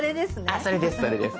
あっそれですそれです。